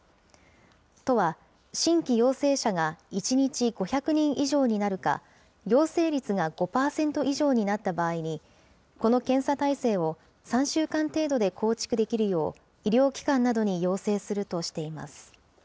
都は、新規陽性者が１日５００人以上になるか、陽性率が５％以上になった場合に、この検査体制を３週間程度で構築できるよう、医療機関などに要請するとしています。